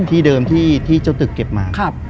ที่เดิมที่เจ้าตึกเก็บมา